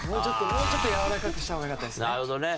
もうちょっとやわらかくした方がよかったですね。